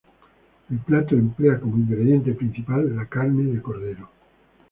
El plato emplea como ingrediente principal la carne de cordero.